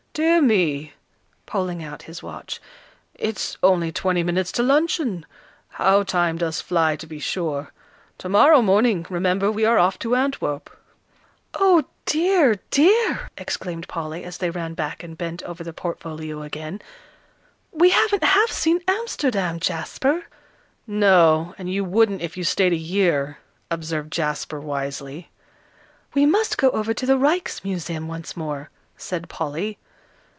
Dear me," pulling out his watch, "it's only twenty minutes to luncheon. How time does fly, to be sure! To morrow morning, remember, we are off for Antwerp." "O dear, dear!" exclaimed Polly, as they ran back and bent over the portfolio again, "we haven't half seen Amsterdam, Jasper." "No, and you wouldn't if you stayed a year," observed Jasper, wisely. "We must go over to the Ryks Museum once more," said Polly.